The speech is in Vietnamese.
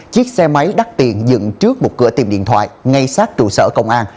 chiếc xe máy đắt tiền dựng trước một cửa tiệm điện thoại ngay sát trụ sở công an